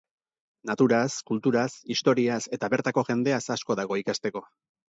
Naturaz, kulturaz, historiaz, eta bertako jendeaz asko dago ikasteko.